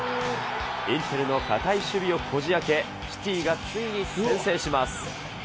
インテルの堅い守備をこじあけ、シティがついに先制します。